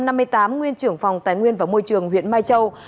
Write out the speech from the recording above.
nguyên trưởng phòng tài nguyên và môi trường huyện mai châu